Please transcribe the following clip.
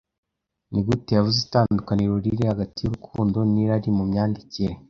Nigute yavuze itandukaniro riri hagati yurukundo n'irari Mu myandikire